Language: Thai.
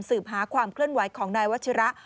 หาความเคลื่อนไหวของนายวัชิระ